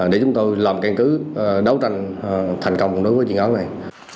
để chúng tôi làm căn cứ đấu tranh thành công đối với chuyên án này